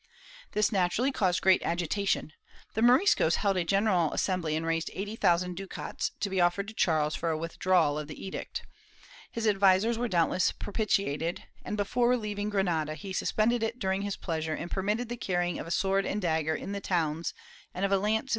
^ This naturally caused great agitation; the Moriscos held a general assembly and raised eighty thousand ducats to be offered to Charles for a withdrawal of the edict. His advisers were doubtless propitiated and, before leaving Granada, he suspended it during his pleasure and permitted the carrying of a sword and dagger in the towns and of a lance in the open ^ Sandoval, Hist, de Carlos V, Lib.